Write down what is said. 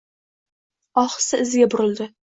Ohista iziga burildi.